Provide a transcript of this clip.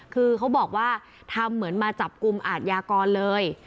คือเขาบอกว่าทำเหมือนมาจับกลุ่มอาทยากรเลย